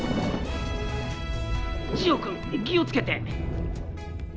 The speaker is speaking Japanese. ジオ君気を付けて。